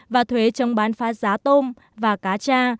và thuế trong bán phá giá tôm và cá da